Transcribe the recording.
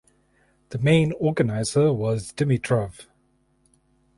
The main organizer was Dimitrov.